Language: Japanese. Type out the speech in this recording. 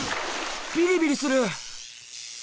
ビリビリする！